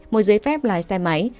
một giấy phép lái xe máy